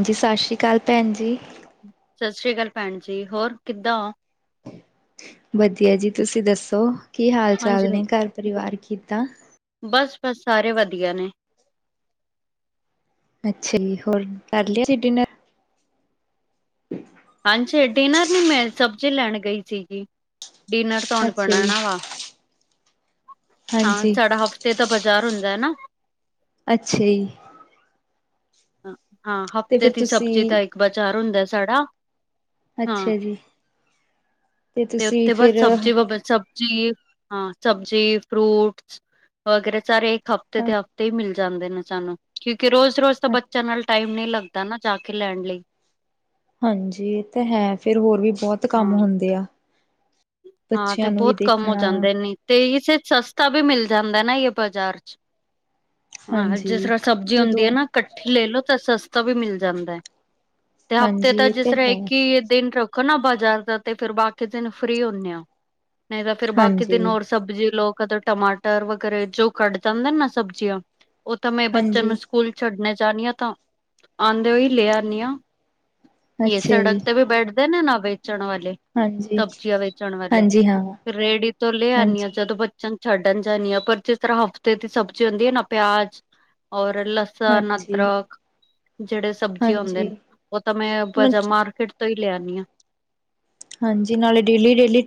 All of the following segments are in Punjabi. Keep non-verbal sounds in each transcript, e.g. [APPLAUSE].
ਹਾਂਜੀ ਸਤਿ ਸ੍ਰੀ ਅਕਾਲ ਭੈਣ ਜੀ। ਸਤਿ ਸ੍ਰੀ ਅਕਾਲ ਭੈਣ ਜੀ ਹੋਰ ਕਿੱਦਾਂ ਵਧੀਆ ਜੀ ਤੁਸੀਂ ਦੱਸੋ ਕੀ ਹਾਲ ਹਾਂਜੀ ਚਾਲ ਨੇ ਘਰ ਪਰਿਵਾਰ ਕਿੱਦਾਂ? ਬਸ ਬਸ ਸਾਰੇ ਵਧੀਆ ਨੇ। ਅੱਛਾ ਜੀ, ਹੋਰ ਕਰ ਲਿਆ ਸੀ ਡਿਨਰ। ਹਾਂਜੀ, ਡਿਨਰ ਨੀ ਮੈਂ ਸਬਜ਼ੀ ਲੈਣ ਗਈ ਸੀਗੀ। ਡਿਨਰ ਤਾਂ ਹੁਨ ਅੱਛਾ ਜੀ ਬਣਾਣਾ ਵਾ। ਹਾਂ, ਹਾਂਜੀ ਸਾਡਾ ਹਫ਼ਤੇ ਤੇ ਬਾਜ਼ਾਰ ਹੁੰਦਾ ਨਾ। ਅੱਛਾ ਜੀ। ਹਾਂ, ਤੇ ਹਫ਼ਤੇ ਫਿਰ ਦੀ ਸਬਜ਼ੀ ਦਾ ਤੁਸੀਂ ਇੱਕ ਬਾਜ਼ਾਰ ਹੁੰਦਾ ਸਾਡਾ। ਹਾਂ, ਅੱਛਾ ਜੀ ਤੇ ਤੁਸੀਂ ਉੱਥੇ ਬਸ ਫਿਰ ਸਬਜ਼ੀ ਵ ਸਬ ਜ਼ੀ ਹਾਂ ਸਬਜ਼ੀ ਫਰੂਟਸ ਵਗੈਰਾ ਸਾਰੇ ਇੱਕ ਹਫ਼ਤੇ ਦੇ ਹਫ਼ਤੇ ਈ ਮਿਲ ਜਾਂਦੇ ਨੇ ਸਾਨੂੰ ਕਿਉਂਕਿ ਰੋਜ਼ ਰੋਜ਼ ਤਾਂ ਬੱਚਿਆਂ ਨਾਲ ਟਾਈਮ ਨੀ ਲੱਗਦਾ ਨਾ ਜਾ ਕੇ ਲੈਣ ਲਈ। ਹਾਂਜੀ, ਏ ਤਾਂ ਹੈ ਫੇਰ ਹੋਰ ਵੀ ਬਹੁਤ ਕੰਮ ਹਾਂ ਹੁੰਦੇ ਆ। ਹਾਂ ਤੇ ਬੱਚਿਆਂ ਨੂੰ ਵੀ ਬਹੁਤ ਕੰਮ ਹੋ ਦੇਖਣਾ ਜਾਂਦੇ ਨੇ ਤੇ ਇਸੇ ਸਸਤਾ ਵੀ ਮਿਲ ਜਾਂਦਾ ਨਾ ਜੇ ਬਾਜ਼ਾਰ ਚ। ਹਾਂ, ਜਿਸ ਹਾਂਜੀ ਤਰ੍ਹਾਂ ਸਬਜ਼ੀ ਹੁੰਦੀ ਐ ਜਦੋਂ ਨਾ ਲੈ ਲੋ ਤਾਂ ਸਸਤਾ ਵੀ ਮਿਲ ਜਾਂਦਾ ਤੇ ਹਫ਼ਤੇ ਹਾਂਜੀ ਤਾਂ ਇਹ ਜਿਸ ਤੇ ਤਰ੍ਹਾਂ ਹੈ ਇੱਕ ਈ ਦਿਨ ਰੱਖ ਨਾ ਬਾਜ਼ਾਰ ਦਾ ਤੇ ਫੇਰ ਬਾਕੀ ਦਿਨ ਫ੍ਰਰੀ ਹੁੰਨੇ ਆ ਨਹੀਂ ਤਾਂ ਫੇਰ ਬਾਕੀ ਹਾਂਜੀ ਦਿਨ ਹੋਰ ਸਬਜ਼ੀ ਲੋ ਕਦੇ ਟਮਾਟਰ ਵਗੈਰਾ ਜੋ ਕੱਢ ਜਾਂਦੇ ਨੇ ਨਾ ਸਬਜ਼ੀਆਂ। ਓ ਤਾਂ ਮੈਂ ਬੱਚੇ ਹਾਂਜੀ ਨੂੰ ਸਕੂਲ ਛੱਡਣੇ ਜਾਣੀ ਆ ਤਾਂ ਆਂਦੇ ਹੋਏ ਈ ਲੈ ਆਨੀ ਆ। ਏ ਅੱਛਾ ਜੀ ਸੜਕ ਤੇ ਵੀ ਬੈਠਦੇ ਨੇ ਨਾ ਵੇਚਣ ਵਾਲੇ। ਹਾਂਜੀ ਸਬਜ਼ੀਆਂ ਵੇਚਣ ਵਾਲੇ ਹਾਂਜੀ ਹਾਂ ਰੇਹੜੀ ਤੋਂ ਲਿਆਣੀ ਆ ਹਾਂਜੀ ਜਦੋਂ ਛੱਡਣ ਜਾਣੀ ਆ ਪਰ ਜਿਸ ਤਰ੍ਹਾਂ ਹਫ਼ਤੇ ਦੀ ਸਬਜ਼ੀ ਹੁੰਦੀ ਐ ਨਾ ਪਿਆਜ ਔਰ ਲ ਸਣ, ਹਾਂਜੀ, ਅਦਰਕ। ਜਿਹੜੇ ਸਬਜ਼ੀਆਂ ਹੁੰਦੇ ਹਾਂਜੀ। ਨੇ ਓ ਤਾਂ ਮੈਂ ਮਾਰਕੀਟ ਤੋਂ ਹੀ ਲਿਆਂਣੀ ਆ। ਹਾਂਜੀ, ਨਾਲੇ ਡੇਲੀ ਡੇਲੀ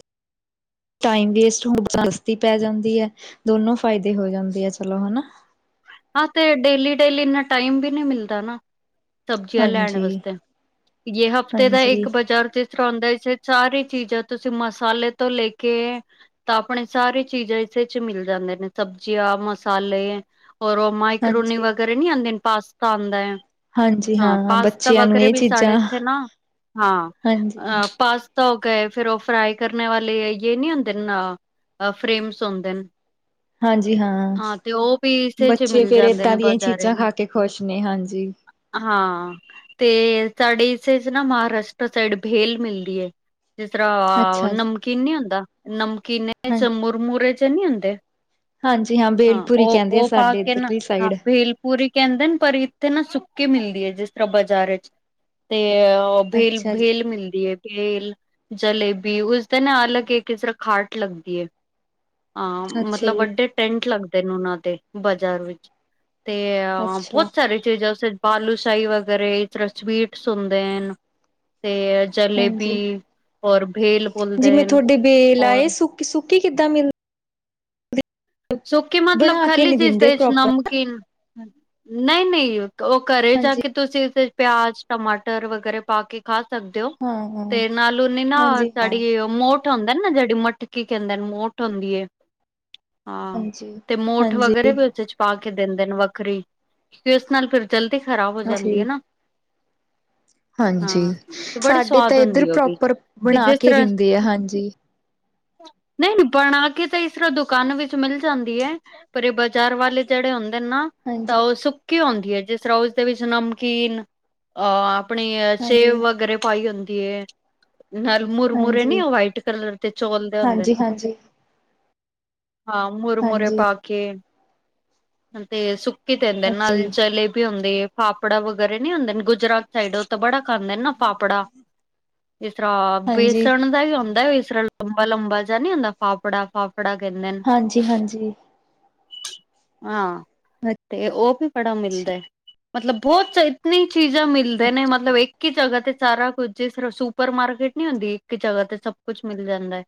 ਟਾਈਮ ਵੇਸਟ ਹੋਣ ਤੋਂ ਸਸਤੀ ਪੈ ਜਾਂਦੀ ਐ, ਦੋਨੋਂ ਫਾਇਦੇ ਹੋ ਜਾਂਦੇ ਆ। ਚਲੋ ਹਨਾ? ਹਾਂ, ਤੇ ਡੇਲੀ-ਡੇਲੀ ਇੰਨਾ ਟਾਈਮ ਵੀ ਨੀ ਮਿਲਦਾ ਨਾ। ਸਬਜ਼ੀਆਂ ਲੈਣ ਹਾਂਜੀ, ਵਾਸਤੇ ਜੇ ਹਫ਼ਤੇ ਦਾ ਇੱਕ ਹਾਂਜੀ। ਬਾਜ਼ਾਰ ਤੇ। ਇਸ ਤਰਾਂ ਹੁੰਦਾ ਜਿਸ ਵਿੱਚ ਸਾਰੀਆਂ ਚੀਜ਼ਾਂ, ਤੁਸੀਂ ਮਸਾਲੇ ਤੋਂ ਲੈ ਕੇ, ਤਾਂ ਆਪਣੇ ਸਾਰੀ ਚੀਜ਼ਾਂ ਇਸੇ ਵਿੱਚ ਮਿਲ ਜਾਂਦੇ ਨੇ, ਸਬਜ਼ੀਆਂ, ਮਸਾਲੇ। ਔਰ ਓ ਮੈਕਰੋਨੀ ਹਾਂਜੀ, ਵਗੈਰਾ ਨੀ ਆਂਦੇ ਪਾਸਤਾ ਆਂਦਾ। ਹਾਂਜੀ ਹਾਂ, ਪਾਸਤਾ ਬੱਚਿਆਂ ਨੂੰ ਵਗੈਰਾ ਇਹ ਵੀ ਸਾਡੇ ਚੀਜ਼ਾਂ ਇੱਥੇ ਨਾ, ਹਾਂ, ਹਾਂਜੀ, ਆ ਪਾਸ, ਧੋ ਕੇ ਫਿਰ ਓ ਫਰਾਈ ਕਰਨ ਵਾਲੇ ਜੇ ਨੀ ਹੁੰਦੇ ਫਰੇਮਸ ਹੁੰਦੇ ਨੇ। ਹਾਂਜੀ ਹਾਂ, ਵੀ ਇਸੇ 'ਚ ਬੱਚੇ ਮਿਲ ਫਿਰ ਜਾਂਦੇ ਏਦਾਂ ਨੇ ਦੀਆਂ ਈ ਬਾਜ਼ਾਰੇ ਚੀਜ਼ਾਂ ਖਾ ਕੇ ਖੁਸ਼ ਨੇ, ਹਾਂਜੀ। ਹਾਂ, ਤੇ ਸਾਡੇ ਹਿੱਸੇ ਚ ਨਾ ਮਹਾਰਾਸ਼ਟਰ ਸਾਈਡ ਵੇਲ ਮਿਲਦੀ ਐ। ਜਿਸ ਤਰ੍ਹਾਂ ਅੱਛਾ ਜੀ। ਨਮਕੀਨ ਨੀ ਹੁੰਦਾ ਨਮਕੀਨ ਹਾਂ, ਵਿੱਚ ਮੁਰਮੁਰੇ ਜੇ ਨੀ ਹੁੰਦੇ। ਹਾਂਜੀ, ਹਾਂ ਬੇਲਪੁਰੀ ਉਹ ਕਹਿੰਦੇ ਆ। ਉਹ ਪਾ ਸਾਡੇ ਕੇ ਨਾ ਇੱਧਰਲੀ ਹਾਂ ਸਾਈਡ। ਬਿਲ ਪੂਰੀ ਕਹਿੰਦੇ ਨੇ ਪਰ ਇੱਥੇ ਨਾ ਸੁੱਕੀ ਮਿਲਦੀ ਏ, ਜਿਸ ਤਰ੍ਹਾਂ ਬਾਜ਼ਾਰ ਚ ਤੇ ੳ ਭੇਲ ਅੱਛਾ ਜੀ, ਭੇਲ ਮਿਲਦੀ ਏ। ਭੇਲ, ਜਲੇਬੀ, ਉਸਦੇ ਨਾ ਅਲੱਗ ਇਕ ਤਰ੍ਹਾਂ ਖੱਟ ਲੱਗਦੀ ਏ। ਹਾਂ, ਅੱਛਾ ਮਤਲਬ ਜੀ, ਵੱਡੇ ਟੈਂਟ ਲੱਗਦੇ ਨੇ ਉਹਨਾਂ ਦੇ ਬਾਜ਼ਾਰ ਵਿੱਚ। ਤੇ ਹਾਂ ਅੱਛਾ, ਬਹੁਤ ਸਾਰੇ ਬਾਲੂਸ਼ਾਹੀ ਵਗੈਰਾ ਇਸ ਤਰਾ ਸਵੀਟਸ ਹੁੰਦੇ ਨੇ। ਤੇ ਜਲੇਬੀ ਹਾਂਜੀ। ਔਰ ਭੇਲ ਭੁਨਦੇ ਜਿਵੇਂ ਤੁਹਾਡੇ ਬੇਲ ਆਏ ਔਰ ਸੁੱਕੀ ਸੁੱਕੀ ਕਿੱਦਾਂ ਮਿਲ ਸੁੱਕੀ, ਮਤਲਬ ਬਣਾ ਕੇ ਖਾਲੀ ਨਹੀਂ ਇਸ ਦਿੰਦੇ ਵਿਚ ਪ੍ਰੋਪਰ ਨਮਕ ਕੀਨ ਨਹੀਂ ਨਹੀਂ, ਉਹ ਘਰ ਜਾ ਹਾਂਜੀ ਕੇ। ਤੁਸੀਂ ਫੇਰ ਪਯਾਜ, ਟਮਾਟਰ ਵਗੈਰਾ ਪਾ ਕੇ ਖਾ ਸਕਦੇ ੳ। ਹਾਂ ਹਾਂ ਤੇ ਨਾਲ ਉਨੇ ਨਾ ਹਾਂਜੀ ਤੁਹਾਡੀ ੳ ਮੋਠ ਹੁੰਦਾ ਨਾ ਜਿਹੜੀ, ਮਟ ਕੀ ਕਹਿੰਦੇ ਨੇ ਮੋਠ ਹੁੰਦੀ ਏ ਹਾਂ, ਹਾਂਜੀ ਤੇ ਮੋਠ ਹਾਂਜੀ ਵਗੈਰੇ ਵੀ ਉਦੇ ਚ ਪਾ ਕੇ ਦਿੰਦੇ ਨੇ ਵੱਖਰੀ, ਫੇਰ ੳਸ ਨਾਲ ਫੇਰ ਜਲਦੀ ਖ਼ਰਾਬ ਹੋ ਅੱਛਾ ਜਾਂਦੀ ਏ ਜੀ ਨਾ। ਹਾਂਜੀ। ਹਾਂ ਤੇ ਬੜੀ ਸਾਡੇ ਤਾਂ ਸਵਾਦ ਏਧਰ ਹੁੰਦੀ ਉਹ ਵੀ ਪ੍ਰੋਪਰ ਤੇ ਬਣਾ ਜਿਸ ਕੇ ਤਰ੍ਹਾਂ ਦਿੰਦੇ ਆ ਹਾਂਜੀ। ਨਹੀਂ ਨਹੀਂ, ਬਣਾ ਕੇ ਤਾਂ ਇਸ ਤਰ੍ਹਾਂ ਦੁਕਾਨ ਵਿੱਚ ਮਿਲ ਜਾਂਦੀ ਏਂ, ਪਰ ਇਹ ਬਾਜ਼ਾਰ ਵਾਲੇ ਜਿਹੜੇ ਹੁੰਦੇ ਨੇ ਨਾ, ਹਾਂਜੀ ਤਾਂ ਉਹ ਸੁ ਕੀ ਹੂੰਦੀ ਏ, ਜਿਸ ਤਰਾਂ ੳਦੇ ਵਿੱਚ ਨਮਕੀਨ ਅ ਆਪਣੇ ਸੇਬ ਹਾਂਜੀ ਵਗੈਰਾ ਪਾਏ ਹੁੰਦੀ ਏ। ਨਾਲ ਮੁਰਮੁਰ ਨੀ ਹਾਂਜੀ ਉਹ ਵਾਈਟ ਕਲਰ ਦੇ ਚੋਲ ਦੇ ਹੁੰਦੇ ਨੇ। ਹਾਂਜੀ ਹਾਂਜੀ। ਹਾਂ ਮੁੁਰਮਰੇ ਹਾਂਜੀ ਪਾ ਕੇ, ਤੇ ਸੁ ਕੇ ਪੈਂਦੇ ਨੇ ਨਾ ਅੱਛਾ ਤੇ ਨਾਲ ਜੀ ਜਲੇਬੀ ਹੁੰਦੀ ਏ, ਫਾਫੜਾ ਵਗੈਰਾ ਨਹੀਂ ਹੁੰਦੇ, ਗੁਜਰਾਤ ਸਾਈਡ ਬੜਾ ਖਾਂਦੇ ਨੇ ਨਾ ਫਾਪੜਾ। ਜਿਸ ਤਰ੍ਹਾਂ ਹਾਂਜੀ ਬੇਸਣ ਦਾ ਈ ਹੂੰਦਾ ਏ। ਲੰਬਾ-ਲੰਬਾ ਜੇਹਾ ਨੀ ਹੁੰਦਾ, ਫਾਫੜਾ ਫਾਫੜਾ ਕਹਿੰਦੇ ਨੇ। ਹਾਂਜੀ ਹਾਂਜੀ ਹਾਂ, ਤੇ ੳ ਵੀ ਬੜਾ ਅੱਛਾ ਮਿਲਦਾ ਏ। ਮਤਲਬ ਬਹੁਤ ਇਤਨੀ ਚੀਜ਼ਾਂ ਮਿਲਦੇ ਨੇ, ਮਤਲਬ ਇੱਕ ਹੀ ਜਗ੍ਹਾ ਤੇ ਸਾਰਾ ਕੁਝ ਜਿਸ ਤਰਾ ਸੁ ਸੁਪਰਮਾਰਕੀਟ ਨੀ ਹੁੰਦੀ, ਇੱਕ ਜਗ੍ਹਾ ਤੇ ਸਭ ਕੁਝ ਮਿਲ ਜਾਂਦਾ ਏ।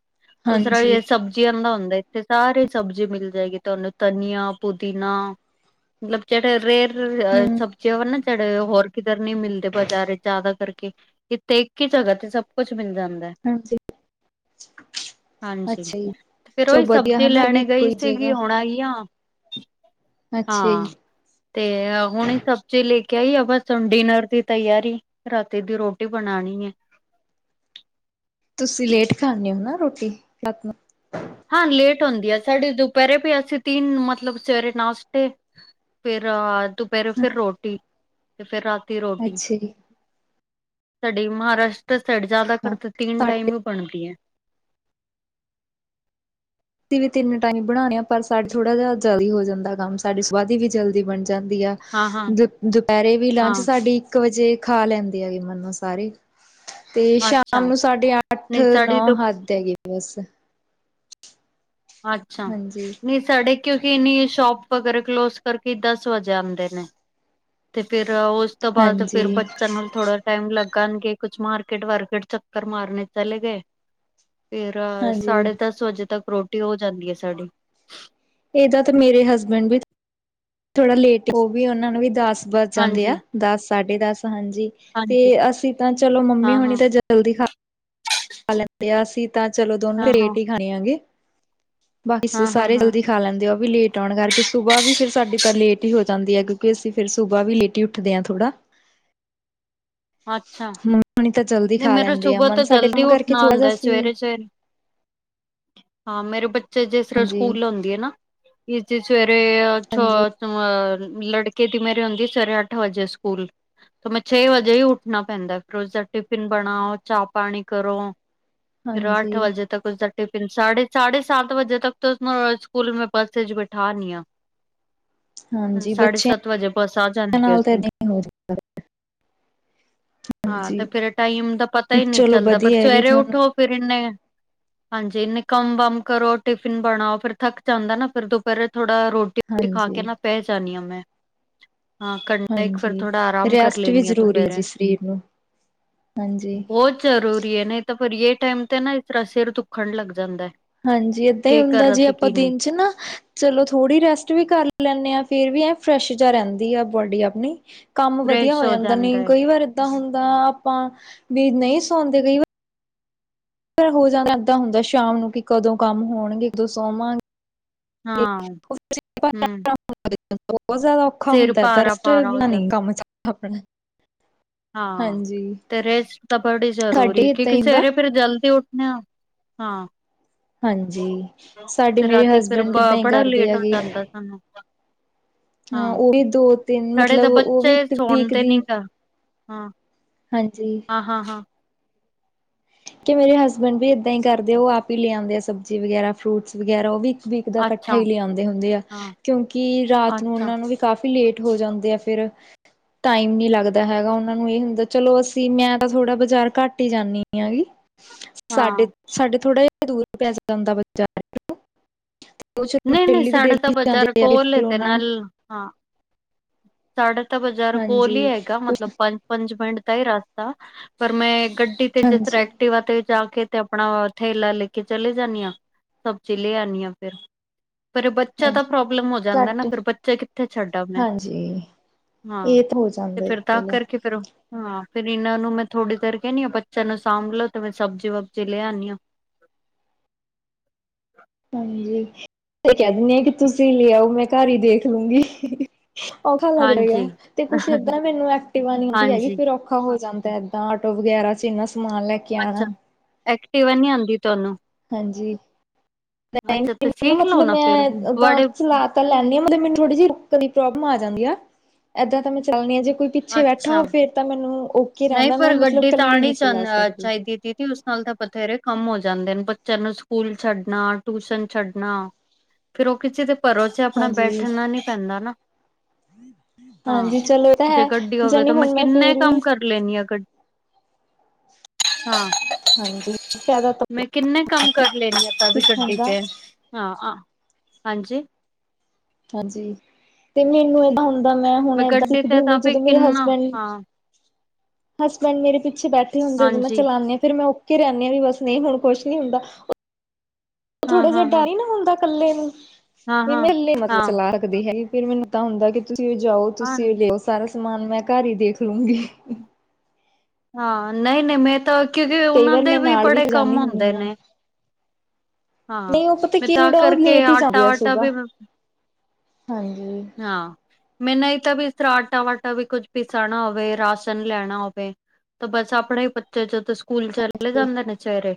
ਉਸੇ ਹਾਂਜੀ ਤਰ੍ਹਾਂ ਸਬਜ਼ੀਆਂ ਬਨਾਦੇ ਇੱਥੇ। ਸਾਰੀ ਸਬਜ਼ੀ ਮਿਲ ਜਾਏਗੀ ਤੁਹਾਨੂੰ, ਧਨੀਆ, ਪੁਦੀਨਾ, ਮਤਲਬ ਜਿਹੜੇ ਰੇਰ ਹਮ ਸਬਜ਼ੀਆਂ ੳ ਨਾ ਜੇੜੇ, ਹੋਰ ਕਿੱਧਰੇ ਨਹੀਂ ਮਿਲਦੇ, ਬਾਜ਼ਾਰ ਵਿੱਚ ਜ਼ਿਆਦਾ ਕਰਕੇ। ਇੱਥੇ ਇੱਕ ਹੀ ਜਗ੍ਹਾ ਤੇ ਸਭ ਕੁੱਛ ਮਿਲ ਜਾਂਦਾ। ਹਾਂਜੀ ਹਾਂਜੀ। ਅੱਛਾ ਜੀ ਤੇ ਫੇਰ ਚਲੋ ਉਹੀ ਸਭ ਵਧੀਆ ਜੀ ਹੀ ਹਨਾ ਇਹ ਵੀ ਲੈਣੇ ਇੱਕੋ ਗਈ ਹੀ ਸੀਗੀ ਜਗ੍ਹਾ ਹੁਣ ਆਈ ਆਂ। ਅੱਛਾ ਹਾਂ ਜੀ ਤੇ ਹੁਣੀ ਸਬਜੀ ਲੈ ਕੇ ਆਈ, ਆ ਬਸ ਹੁਨ ਡਿਨਰ ਦੀ ਤਿਆਰੀ। ਰਾਤੀ ਦੀ ਰੋਟੀ ਬਣਾਨੀ ਏ। ਤੁਸੀਂ ਲੇਟ ਖਾਂਦੇ ਹੋ ਨਾ ਰੋਟੀ ਰਾਤ ਨੂੰ। ਹਾਂ ਲੇਟ ਹੁੰਦੀ ਆ, ਸਾਡੇ ਦੁਪਹਿਰੇ ਵੀ ਅਸੀਂ ਤਿੰਨ ਮਤਲਬ ਸਵੇਰੇ ਨਾਸ਼ਤੇ ਫੇਰ ਦੁਪਹਿਰੇ ਫੇਰ ਰੋਟੀ, ਤੇ ਫੇਰ ਰਾਤੀ ਰੋਟੀ। ਅੱਛਾ ਜੀ ਸਾਡੀ ਮਹਾਰਾਸ਼ਟਰ ਸੈਡ ਹਾਂ ਜ਼ਿਆਦਾਤਰ ਤੀਨ ਸਾਡੇ ਟਾਈਮ ਹੀ ਬਣਦੀ ਏ। ਅਸੀਂ ਵੀ ਤਿੰਨ ਟਾਈਮ ਬਣਾਈ ਏ, ਪਰ ਸਾਡ ਥੋੜਾ ਜਿਹਾ ਜਲਦੀ ਹੋ ਜਾਂਦਾ ਕੰਮ, ਸਾਡੀ ਸੁਆਦੀ ਵੀ ਜਲਦੀ ਬਣ ਜਾਂਦੀ ਏ। ਹਾਂ ਹਾਂ ਦੁ ਦੁਪਹਿਰੇ ਵੀ ਲੰਚ ਹਾਂ ਸਾਡੀ ਇੱਕ ਵਜੇ ਖਾ ਲੈਂਦੇ ਹੈਗੀ ਮਨੋ ਸਾਰੇ। 'ਤੇ ਸ਼ਾਮ ਨੂੰ ਸਾਢੇ ਅੱਠ, ਨੌ ਹੱਦ ਹੈ ਗੀ ਬੱਸ। ਅੱਛਾ, ਹਾਂਜੀ ਨੀ ਸਾਡੇ ਕਿਉਂਕਿ ਇੰਨੀ ਸ਼ੋਪ ਵਗੈਰਾ ਕਲੋਜ ਕਰਕੇ ਦਸ ਵਜੇ ਆਂਦੇ ਨੇ। 'ਤੇ ਫੇਰ ਉਸ ਤੋਂ ਬਾਅਦ ਫਿਰ ਹਾਂਜੀ ਬੱਚਿਆਂ ਨਾਲ ਥੋੜਾ ਟਾਈਮ ਲੱਗਾਣਗੇ ਕੁਛ ਮਾਰਕਿਟ ਵਾਰਕਿਟ ਚੱਕਰ ਮਾਰਨੇ ਚਲੇ ਗੇ। ਫੇਰ ਹਾਂਜੀ ਸਾਢੇ ਦਸ ਵਜੇ ਤੱਕ ਰੋਟੀ ਹੋ ਜਾਂਦੀ ਐ ਸਾਡੀ। ਏਦਾ ਤਾਂ ਮੇਰੇ ਹਸਬੈਂਡ ਵੀ ਥੋੜਾ ਲੇਟ ਓ ਵੀ ਉਨਾਂ ਨੂੰ ਵੀ ਦਸ ਵਜ ਜਾਦੇ ਐ, ਹਾਂਜੀ ਦਸ, ਸਾਢੇ ਦਸ ਹਾਂਜੀ। ਤੇ ਹਾਂਜੀ ਅਸੀਂ ਤਾਂ ਚਲੋਂ ਮੰਮੀ ਹਾਂ ਹੁਣੀ ਹਾਂ ਤਾਂ ਜਲਦੀ ਖਾ ਖਾ ਲੈਂਦੇ ਆ, ਅਸੀ ਤਾਂ ਚਲੋਂ ਦੋਨੋ ਹਾਂ ਹਾਂ ਰੇਟ ਈ ਖਾਣੇ ਆ ਗੇ ਬਸ ਹਾਂ ਹਾਂ ਸਾਰੇ ਹਾਂ ਜਲਦੀ ਖਾ ਲੈਂਦੇ ਓ ਵੀ ਲੇਟ ਆਉਣ ਕਰਕੇ, ਸੁਬਾਹ ਵੀ ਫਿਰ ਸਾਡੀ ਤਾਂ ਲੇਟ ਈ ਹੋ ਜਾਂਦੀ ਐ ਕਿਉਂਕਿ ਅਸੀਂ ਫਿਰ ਸੁਬਾ ਵੀ ਲੇਟ ਈ ਉ ਠਦੇ ਆ ਥੋੜਾ। [UNINTELLIGIBLE] ਅੱਛਾ, ਮੰਮੀ ਹੋਣੀ ਤਾਂ ਜਲਦੀ ਨੀ ਖਾ ਮੇਰਾ ਲੈਂਦੇ ਆ ਸੁਬਾਹ ਤੋਂ ਮਨ ਸਾਡੇ ਜਲਦੀ ਕੰਮ ਕਰਕੇ ਉੱਠਣਾ ਥੋੜਾ ਜਿਹਾ ਹੁੰਦਾ ਸੀ ਸਵੇਰੇ-ਸਵੇਰੇ। ਹਾਂ ਮੇਰੇ ਬੱਚੇ ਜਿਸ ਤਰ੍ਹਾਂ ਹਾਂਜੀ। ਸਕੂਲ ਹੁੰਦੀ ਏ ਨਾ। ਈਚੀ ਸਵੇਰੇ ਅ ਛੋ ਹਾਂਜੀ, ਮ ਲੜਕੇ ਦੀ ਮੇਰੀ ਹੁੰਦੀ ਐ ਸਵੇਰੇ ਅੱਠ ਵਜੇ ਸਕੂਲ ਤਾਂ ਮੈਂ ਛੇ ਵਜੇ ਵੀ ਉੱਠਣਾ ਪੈਂਦਾ ਫਿਰ ਉਸਦਾ ਟਿਫਿਨ ਬਣਾਓ, ਚਾਹ ਪਾਣੀ ਕਰੋ, ਫੇਰ ਅੱਠ ਹਾਂਜੀ, ਵਜੇ ਤੱਕ ਉਸਦਾ ਟਿਫਿਨ ਸਾਢੇ, ਸਾਢੇ ਸੱਤ ਵਜੇ ਤੱਕ ਤਾਂ ਉਸਨੂੰ ਸਕੂਲ ਮੈਂ ਬੱਸ ਇਚ ਬਿਠਾ ਆਨੀ ਆ। ਹਾਂਜੀ ਸਾਢੇ ਸੱਤ ਵਜੇ ਬਸ ਆ ਜਾਂਦੀ ਐ ਉਸ ਦੀ। ਓ [INAUDIBLE] ਹਾਂ ਤੇ ਹਾਂਜੀ। ਫੇਰ ਏ ਟਾਈਮ ਦਾ ਪਤਾ ਈ ਨੀ ਚਲੋ ਚੱਲਦਾ ਫੇਰ ਵਧੀਆ ਹੈ ਵੀ ਸਵੇਰੇ ਤੁਹਾਨੂੰ ਉੱਠੋ ਫਿਰ ਇਨੇ ਹਾਂਜੀ ਇਨੇ ਕੰਮ ਵਮ ਕਰੋ ਟਿਫਿਨ ਬਣਾਓ, ਫੇਰ ਥੱਕ ਜਾਂਦਾ ਐ ਨਾ, ਫਿਰ ਦੁਪੈਰੇ ਥੋੜਾ ਰੋ ਟੀ ਖਾ ਕੇ ਹਾਂਜੀ, ਨਾ ਪੈ ਜਾਂਨੀ ਆ ਮੈਂ। ਹਾਂ ਘੰਟਾ ਇੱਕ ਫਿਰ ਹਾਂਜੀ। ਥੋੜਾ ਆਰਾਮ ਕਰ ਲੈਨੀ ਆ ਦੁਪੈਰੇ। ਵੀਰ ਨੂੰ ਹਾਂਜੀ। ਬੋ ਜ਼ਰੂਰੀ ਏ ਨਈ ਤਾਂ ਪਰ ਯੈ ਟਾਈਮ ਤੇ ਨਾ ਇਸ ਤਰ੍ਹਾਂ ਸਿਰ ਦੁੱਖਣ ਲੱਗ ਜਾਂਦਾ ਐ। ਹਾਂਜੀ ਏਦਾਂ ਈ ਹੁੰਦਾ ਜੇ ਆਪਾਂ ਦਿਨ 'ਚ ਨਾ ਚਲੋ ਥੋੜ੍ਹੀ ਰੈਸਟ ਵੀ ਕਰ ਲੈਂਨੇ ਆ, ਫੇਰ ਵੀ ਐ ਫਰੈਸ਼ ਜਾ ਰਹਿੰਦੀ ਆ ਬੋਡੀ ਆਪਣੀ। ਕੰਮ ਵਧੀਆ ਹੋ ਜਾਂਦਾ ਆ, ਨਈ ਕਈ ਵਾਰ ਏਦਾਂ ਹੁੰਦਾ ਆਪਾਂ ਵੀ ਨਈ ਸੌਂਦੇ ਕਈ ਵਾ ਫੇਰ ਹੋ ਜਾਂਦਾ ਇੱਦਾਂ ਹੁੰਦਾ ਸ਼ਾਮ ਨੂੰ ਕਿ ਕਦੋਂ ਕੰਮ ਹੋਣਗੇ, ਕਦੋਂ ਸੋਮਾ [INAUDIBLE] ਹਾਂ ਹੂੰ ਬੋ ਜ਼ਿਆਦਾ ਔਖਾ ਸਿਰ ਹੁੰਦਾ ਏਦਾ ਭਾਰਾ ਰੈਸਟ ਭਾਰਾ ਹੋ ਬਿਨਾ ਨੀ ਜਾਂਦਾ ਹੈ। ਕੰਮ ਚ [INAUDIBLE] ਆਪਣਾ। ਹਾਂ ਹਾਂਜੀ ਤੇ ਰੇਸਟ ਤਾਂ ਬੜੀ ਜ਼ਰੂਰੀ ਸਾਡੇ ਏਦਾਂ ਕਿਉਂਕਿ ਹੀ ਹੁੰਦਾ ਸਵੇਰੇ ਫਿਰ ਜਲਦੀ ਉੱਠ ਨੇ ਆ। ਹਾਂ। ਹਾਂਜੀ, ਸਾਡੇ ਤੇ ਮੇਰੇ ਹਸਬੈਂਡ ਇਦਾਂ ਈ ਕਰਦੇ ਆਗੇ। ਹਮ। ਹਾਂ, ਉਹ ਵੀ ਦੋ ਤਿੰਨ ਸਾਡੇ ਤਾਂ ਮਤਲਬ ਉਹ ਵੀ ਬੱਚੇ ਇੱਕ ਵੀਕ ਸੌਣਦੇ ਨੀ ਦੀ ਗਾ। ਹਾਂ, ਹਾਂਜੀ ਹਾਂ-ਹਾਂ-ਹਾਂ। ਕਿ ਮੇਰੇ ਹਸਬੈਂਡ ਵੀ ਏਦਾਂ ਈ ਕਰਦੇ ਆ, ਓ ਆਪ ਈ ਲਿਆ ਆਂਦੇ ਆ ਸਬਜ਼ੀ ਵਗ਼ੈਰਾ, ਫਰੂਟਸ ਵਗੈਰਾ ਓ ਵੀ ਵੀਕ ਦਾ ਕੱਠਾ ਅੱਛਾ ਈ ਲਿਆਉਂਦੇ ਹੁੰਦੇ ਆ ਹਾਂ ਕਿਉਂਕਿ ਰਾਤ ਨੂੰ ਅੱਛਾ ਉਨਾਂ ਨੂੰ ਵੀ ਕਾਫੀ ਲੇਟ ਹੋ ਜਾਂਦੇ ਆ ਫਿਰ ਟਾਈਮ ਨੀ ਲੱਗਦਾ ਹੈਗਾ, ਉਨਾਂ ਨੂੰ ਇਹ ਹੁੰਦਾ ਚਲੋਂ ਅਸੀਂ ਮੈਂ ਤਾਂ ਥੋੜਾ ਬਾਜ਼ਾਰ ਘੱਟ ਈ ਜਾਂਨੀ ਗੀ, ਹਾਂ ਸਾਡੇ, ਸਾਡੇ ਥੋੜਾ ਜਾ ਦੂਰ ਪੈ ਜਾਂਦਾ ਬਾਜਾਰ। ਨਈ-ਨਈ ਸਾਡਾ ਤਾਂ ਡੇਲੀ ਬਜ਼ਾਰ ਜਾਂਦੇ ਆ ਕੋਲ ਏ ਫਿਰ 'ਤੇ ਉਹਨਾਂ ਨੂੰ ਨਾਲ ਹਾਂ। ਸਾਡੇ ਤਾਂ ਬਾਜ਼ਾਰ ਕੋਲ ਈ ਹਾਂਜੀ ਹੈਗਾ ਕੁਛ ਮਤਲਬ ਪੰ ਪੰਜ ਮਿੰਟ ਦਾ ਹੀ ਰਾਸਤਾ ਪਰ ਮੈਂ ਗੱਡੀ ਤੇ ਜਿਸ ਤਰ ਹਾਂਜੀ ਐਕਟਿਵਾ ਤੇ ਜਾ ਕੇ ਤੇ ਆ ਆਪਣਾ ਥੈਲਾ ਲੈ ਕੇ ਚਲੇ ਜਾਂਣੀ ਆਂ ਸਬਜੀ ਲੈ ਆਣੀ ਆਂ ਫਿਰ ਪਰ ਬੱਚਾ ਤਾਂ ਹਾਂਜੀ ਪ੍ਰੋਬਲਮ ਹੋ ਜਾਂਦਾ ਨਾ ਫਿਰ ਬੱਚੇ ਕਿੱਥੇ ਛੱਡਾ ਮੈਂ ਜੀ ਹਾਂ ਇਹ ਤੇ ਹੋ ਜਾਂਦਾ ਹੈ ਫਿਰ ਤਾਂ ਚਲੋ। ਕਰਕੇ ਫਿਰ ਹਾਂ ਫਿਰ ਇਹਨਾਂ ਨੂੰ ਮੈਂ ਥੋੜ੍ਹੀ ਦੇਰ ਕਹਿਨੀ ਆਂ ਬੱਚਿਆਂ ਨੂੰ ਸਾਂਭ ਲੋ ਤੇ ਮੈਂ ਸਬਜ਼ੀ ਵਬਜੀ ਲੈ ਆਣੀ ਆਂ। ਹਾਂਜੀ ਤੇ ਕਹਿ ਦਿੰਨੀ ਆ ਕਿ ਤੁਸੀਂ ਲੈ ਆਓ ਮੈਂ ਘਰ ਹੀ ਦੇਖ ਲੂੰਗੀ। ਔਖਾ ਲੱਗਦਾ ਗਾ ਹਾਂਜੀ ਤੇ ਕੁੱਛ ਏਦਾਂ ਮੈਨੂੰ ਐਕਟਿਵਾ ਨੀ ਆਉਂਦੀ ਹੈਗੀ ਹਾਂਜੀ ਫਿਰ ਔਖਾ ਹੋ ਜਾਂਦਾ। ਤਾਂ ਆਟੋ ਵਗੈਰਾ 'ਚ ਇੰਨਾ ਸਮਾਨ ਲੈ ਕੇ ਆਣਾ ਅੱਛਾ ਐਕਟਿਵਾ ਨੀ ਆਂਦੀ ਤੁਹਾਨੂੰ ਹਾਂਜੀ ਮੈਂ ਅੱਛਾ ਤੇ [UNINTELLIGIBLE] ਨਾ ਸਿੱਖ ਲਓ ਮਤਲਬ ਫਿਰ ਮੈਂ ਉਦਾਂ ਬੜੇ ਚਲ ਲੈਂਨੀ ਆਂ ਮਤਲਬ ਮੈਨੂੰ ਥੋੜੀ ਜਿਹੀ [UNINTELLIGIBLE] ਪ੍ਰੋਬਲਮ ਆ ਜਾਂਦੀ ਆ ਏਦਾਂ ਮੈਂ ਚੱਲਦੀ ਹਾਂ ਜੇ ਕੋਈ ਪਿੱਛੇ ਬੈਠਾ ਫਿਰ ਤਾਂ ਮੈਨੂੰ ਓ ਨਈ ਪਰ ਗੱਡੀ ਤਾਂ ਆਣੀ ਚਾ ਚਾਹੀਦੀ ਆ ਦੀਦੀ ਉਸ ਨਾਲ ਤਾਂ ਬਥੇਰੇ ਕੰਮ ਹੋ ਜਾਂਦੇ ਨੇ ਬੱਚਿਆਂ ਨੂੰ ਸਕੂਲ ਛੱਡਣਾ ਟਿਊਸ਼ਨ ਛੱਡਣਾ ਫਿਰ ਓ ਕਿਸੇ ਦੇ ਭਰੋਸੇ ਆਪਣਾ ਹਾਂਜੀ ਬੈਠਣਾ ਨੀ ਪੈਂਦਾ ਨਾ। ਹਾਂ ਹਾਂਜੀ ਚਲੋ ਇਹ ਤਾਂ ਜੇ ਹੈ ਗੱਡੀ ਹੋਵੇ ਜਾਣੀ ਤਾਂ ਮੈਂ ਹੁਣ ਕਿੰਨੇ ਫੇਰ ਕੰਮ ਵੀ ਕਰਨ ਸਿਖ ਲੈਣੀ ਆ ਗੱਡ ਹਾਂ। ਹਾਂਜੀ ਫਾਇਦਾ ਤਾਂ ਮੈਂ ਕਿੰਨੇ ਕੰਮ ਕਰ ਲੈਣੀ ਆਪਾਂ ਵੀ ਸਿੱਖਣ ਗੱਡੀ ਦਾ ਤੇ ਹਾਂ ਆਂ ਹਾਂਜੀ। ਹਾਂਜੀ ਤੇ ਮੈਨੂੰ ਏਦਾਂ ਹੁਣ ਦਾਂ ਮੈਂ ਹੁਣ ਏਦਾਂ ਗੱਡੀ ਸਿੱਖਦੀ ਤੇ ਹੁੰਦੀ ਤਾਂ ਵੀ ਜਦੋਂ ਮੇਰੇ ਕਿੰਨਾ ਹਸਬੈਂਡ ਹਾਂ ਹਸਬੈਂਡ ਮੇਰੇ ਪਿੱਛੇ ਬੈਠੇ ਹੁੰਦੇ ਮੈਂ ਹਾਂਜੀ ਚਲਾਂਦੀ ਫਿਰ ਮੈਂ ਓ ਕੀ ਰੈਂਨੇ ਵੀ ਬਸ ਨਈ ਹੁਣ ਕੁਛ ਨੀ ਹੁੰਦਾ। ਹਾਂ ਥੋੜਾ ਜਿਹਾ ਹਾਂ ਡਰ ਹਾਂ ਹੀ ਨਾ ਹੁੰਦਾ ਕੱਲੇ ਨੂੰ ਹਾਂ ਵੀ ਹਾਂ ਮਹਲੇ ਮਤਲਬ ਹਾਂ ਚਲਾ ਸਕਦੀ ਹੈਗੀ ਫਿਰ ਮੈਨੂੰ ਪਤਾ ਹੁੰਦਾ ਕਿ ਤੁਸੀਂ ਜਾਓ ਹਾਂ ਤੁਸੀਂ ਲੈ ਆਓ ਸਾਰਾ ਸਮਾਨ ਮੈਂ ਘਰ ਹੀ ਦੇਖ ਲੂੰਗੀ। ਹਾਂ ਨਈ-ਨਈ ਮੈਂ ਤਾਂ ਕਿਉਂਕਿ ਕਈ ਉਹਨਾਂ ਵਾਰ ਦੇ ਮੈਂ ਵੀ ਨਾਲ ਬੜੇ ਜਾਂਦੀ ਕੰਮ ਹੁੰਦੀ ਹੁੰਦੇ ਹਾਂ। ਨੇ। ਹਾਂ ਨਹੀਂ ਉਹ ਪਤਾ ਮੈਂ ਕੀ ਤਾਂ ਥੋੜਾ ਉਹ ਕਰਕੇ ਲੇਟ ਹੀ ਜਾਂਦੇ ਆ ਆਟਾ-ਆਟਾ ਸੁਬਾਹ ਵੀ ਹਾਂਜੀ ਹਾਂ ਮੈਨੂੰ ਇਹ ਤਾਂ ਵੀ ਇਸ ਤਰ੍ਹਾਂ ਆਟਾ ਵਾਟਾ ਵੀ ਕੁਝ ਪੀਸਾਣਾ ਹੋਵੇ ਰਾਸ਼ਨ ਲੈਣਾ ਹੋਵੇ। ਤਾ ਬਸ ਆਪਣੇ ਹੀ ਬੱਚਾ ਜ ਸਕੂ ਸਕੂਲ ਚਲੇ ਜਾਂਦੇ ਨੇ ਵਿਚਾਰੇ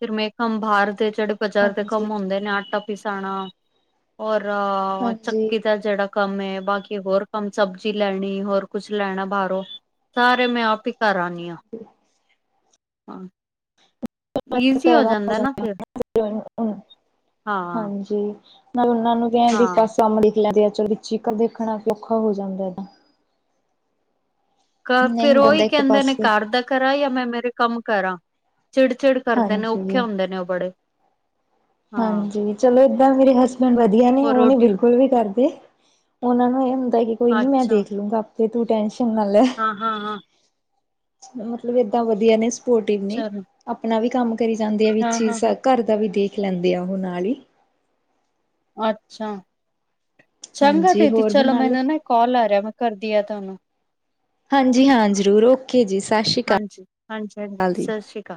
ਫਿਰ ਮੈਂ ਕੰਮ ਬਾਰ ਦੇ ਜੇੜੇ ਬਜ਼ਾਰ ਦੇ ਹਾਂਜੀ ਕੰਮ ਹੁੰਦੇ ਨੇ ਆਟਾ ਪਿਸਾਣਾ ਔਰ ਹਾਂਜੀ ਚੱਕੀ ਦਾ ਜੇੜਾ ਕੰਮ ਏ ਬਾਕੀ ਹੋਰ ਕੰਮ ਸਬਜ਼ੀ ਲੈਣੀ ਹੋਰ ਕੁਛ ਲੈਣਾ ਬਾਰੋਂ ਸਾਰੇ ਮੈਂ ਆਪ ਹੀ ਕਰ ਆਣੀ ਆਂ ਹਾਂ। ਈਜ਼ੀ ਫੈਦਾ ਹੋ ਨਾ ਫਿਰ ਜਾਂਦਾ [UNINTELLIGIBLE] ਹਾਂ ਹਾਂਜੀ। ਨਾਲੇ ਉਹਨਾਂ ਨੂੰ ਕਹਿ ਵੀ ਹਾਂ ਕਸਮ ਲਿਖ ਲੈਂਦੇ ਆ ਚਲ ਚੀਕ ਦੇਖਣਾ ਔਖਾ ਹੋ ਜਾਂਦਾ ਨਾ। ਕਰ ਫਿਰ ਨਹੀਂ ਉਹੀ ਬੰਦਾ ਇੱਕ ਕੈਂਦੇ ਨੇ ਪਾਸੇ ਕਰ ਦਾ ਕਰਾਂ ਜਾਂ ਮੈਂ ਮੇਰੇ ਕੰਮ ਕਰਾਂ ਚਿੜ-ਚਿੜ ਕਰਦੇ ਨੇ ਔਖੇ ਹਾਂਜੀ ਹੁੰਦੇ ਨੇ ਓ ਬੜੇ ਹਾਂ ਹਾਂਜੀ ਚਲੋ ਏਦਾਂ ਮੇਰੇ ਹਸਬੈਂਡ ਵਧੀਆ ਨੇ ਹੋਰ ਓ ਨਿ ਰੋਟੀ ਬਿਲਕੁਲ ਵੀ ਡਰਦੇ ਉਹਨਾਂ ਨੂੰ ਇਹ ਹੁੰਦਾ ਕਿ ਕੋਈ ਨੀ ਮੈਂ ਅੱਛਾ ਦੇਖ ਲੂੰਗਾ ਆਪੇ ਤੂੰ ਟੈਨਸ਼ਨ ਨਾ ਲੈ। ਹਾਂ-ਹਾਂ-ਹਾਂ। ਮਤਲਬ ਏਦਾਂ ਵਧੀਆ ਨੇ। ਸਪੋਟਿਵ ਨੇ ਚਲੋ ਆਪਣਾ ਵੀ ਕੰਮ ਕਰੀ ਜਾਂਦੇ ਆ ਵਿੱਚ ਹੀ ਹਾਂ-ਹਾਂ-ਹਾਂ ਘਰ ਦਾ ਵੀ ਦੇਖ ਲੈਂਦੇ ਆ ਓ ਨਾਲ ਈ। ਅੱਛਾ ਚੰਗਾ ਹਾਂਜੀ ਦੀਦੀ ਹੋਰ ਚਲੋ ਬਣਾ ਲਏ ਮੈਨੂੰ ਨਾ ਕੋਲ ਆ ਰਿਆ ਮੈਂ ਕਰਦੀ ਆ ਤੁਹਾਨੂੰ ਹਾਂਜੀ ਹਾਂ ਜ਼ਰੂਰ ਓਕੇ ਜੀ ਸਤਿ ਸ਼੍ਰੀ ਅਕਾਲ- ਸਤਿ ਸ਼੍ਰੀ ਹਾਂਜੀ-ਹਾਂਜੀ-ਹਾਂਜੀ ਅਕਾਲ ਜੀ। ਸਤਿ ਸ਼੍ਰੀ ਅਕਾਲ